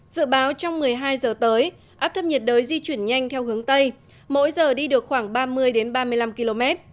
dự báo trong một mươi hai giờ tới áp thấp nhiệt đới di chuyển nhanh theo hướng tây mỗi giờ đi được khoảng ba mươi ba mươi năm km